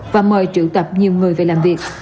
và mời triệu tập nhiều người về làm việc